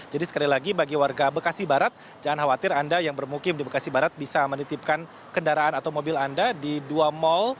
jadi sekali lagi bagi warga bekasi barat jangan khawatir anda yang bermukim di bekasi barat bisa menitipkan kendaraan atau mobil anda di dua mall